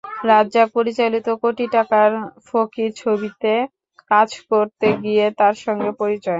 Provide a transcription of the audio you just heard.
রাজ্জাক পরিচালিত কোটি টাকার ফকির ছবিতে কাজ করতে গিয়ে তার সঙ্গে পরিচয়।